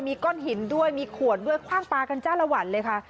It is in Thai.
มีก้อนหินด้วยมีขวดด้วยคว่างปลากันจ้าละวันเลยค่ะ